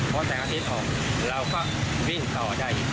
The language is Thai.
พอแสงอาทิตย์ออกเราก็วิ่งต่อได้อีก